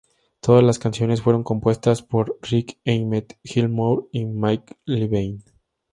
Todas las canciones fueron compuestas por Rik Emmett, Gil Moore y Mike Levine.